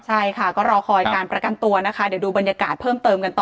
ใช่ค่ะก็รอคอยการประกันตัวนะคะเดี๋ยวดูบรรยากาศเพิ่มเติมกันต่อ